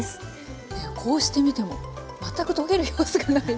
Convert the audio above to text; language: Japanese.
こうしてみても全く溶ける様子がない。